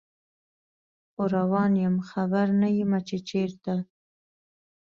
خو روان یم خبر نه یمه چې چیرته